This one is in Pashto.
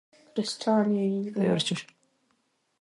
ماشوم باید د ټولګي چاپېریال وپیژني.